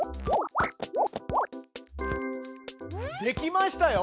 できましたよ。